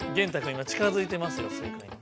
今近づいてますよ正解に。